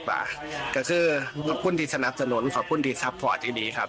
ก็คือขอบคุณที่สนับสนุนขอบคุณที่ซัพพอร์ตที่ดีครับ